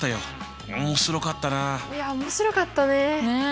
いや面白かったね。